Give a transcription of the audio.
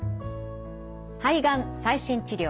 「肺がん最新治療」